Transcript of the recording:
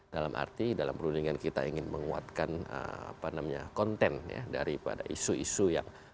dalam arti dalam perundingan kita ingin menguatkan apa namanya konten ya daripada isu isu yang memang kita bahas yang menjadi bumerang